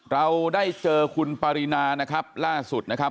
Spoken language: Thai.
เราได้เจอคุณปรินานะครับล่าสุดนะครับ